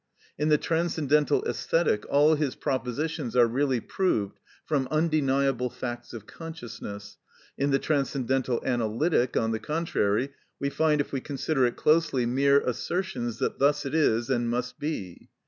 In the Transcendental Æsthetic all his propositions are really proved from undeniable facts of consciousness, in the Transcendental Analytic, on the contrary, we find, if we consider it closely, mere assertions that thus it is and must be.